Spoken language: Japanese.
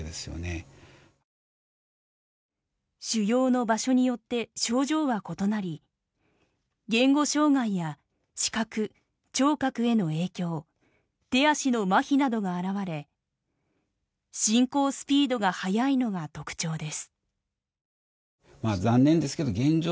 腫瘍の場所によって症状は異なり言語障害や視覚聴覚への影響手足のまひなどが現れ進行スピードがはやいのが特徴です。